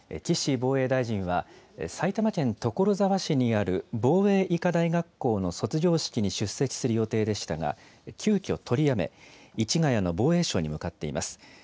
岸防衛大臣は、埼玉県所沢市にある、防衛医科大学校の卒業式に出席する予定でしたが、急きょ取りやめ、市ヶ谷の防衛省に向かっています。